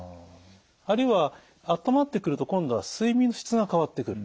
あるいは温まってくると今度は睡眠の質が変わってくる。